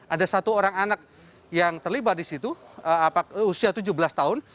ada satu orang anak yang terlibat di situ usia tujuh belas tahun